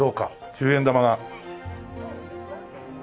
１０円玉が。